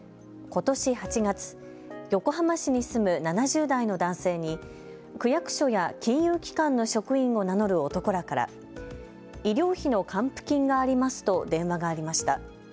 ことし８月、横浜市に住む７０代の男性に区役所や金融機関の職員を名乗る男らから医療費の還付金がありますと電話がありました。